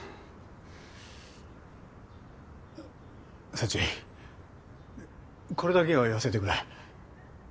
幸これだけは言わせてくれ。